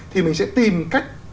thì mình sẽ tìm cách